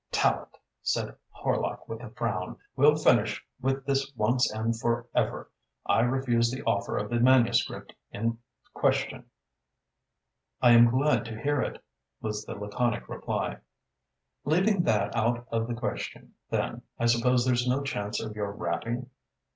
"Tallente," said Horlock with a frown, "we'll finish with this once and for ever. I refused the offer of the manuscript in question." "I am glad to hear it," was the laconic reply. "Leaving that out of the question, then, I suppose there's no chance of your ratting?"